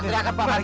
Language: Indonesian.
kita harus masuk